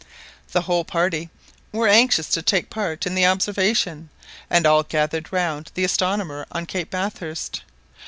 The whole party were anxious to take part in the observation, and all gathered round the astronomer on Cape Bathurst.